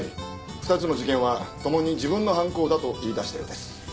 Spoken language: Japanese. ２つの事件は共に自分の犯行だと言い出したようです。